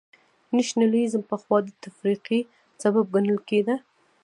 نېشنلېزم پخوا د تفرقې سبب ګڼل کېده.